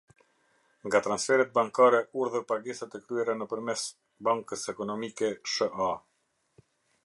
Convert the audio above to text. Nga transferet bankare urdhër pagesat e kryera nëpërmes Bankës Ekonomike, Sha.